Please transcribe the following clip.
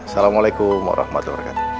assalamualaikum warahmatullahi wabarakatuh